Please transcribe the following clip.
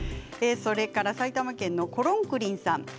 埼玉県の方からです。